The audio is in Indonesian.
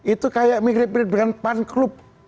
itu kayak mirip mirip dengan pan club